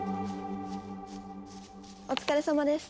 お疲れさまです。